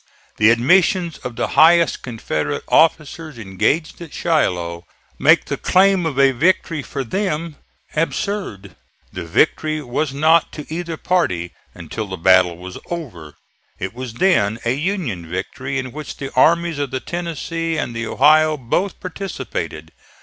The admissions of the highest Confederate officers engaged at Shiloh make the claim of a victory for them absurd. The victory was not to either party until the battle was over. It was then a Union victory, in which the Armies of the Tennessee and the Ohio both participated.